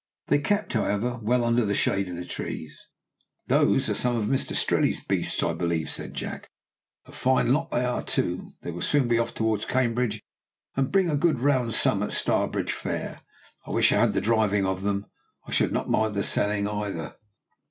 They kept, however, well under the shade of the trees. "Those are some of Mr Strelley's beasts, I believe," said Jack: "a fine lot they are, too; they will soon be off towards Cambridge, and bring a good round sum at Stourbridge Fair. I wish I had the driving of them; and I should not mind the selling, either!"